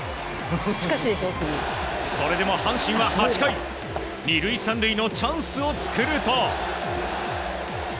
それでも阪神は８回２塁３塁のチャンスを作ると。